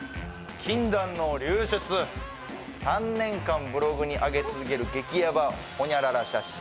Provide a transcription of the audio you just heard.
「禁断の流出３年間ブログにあげ続ける」「激ヤバ○○写真」